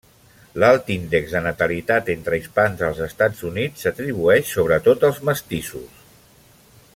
L'alt índex de natalitat entre hispans als Estats Units s'atribueix sobretot als mestissos.